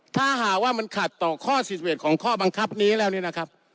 ถ้าหาว่ามันขาดต่อข้อสิทธิเวทของข้อบังคับนี้แล้วนี้นะครับ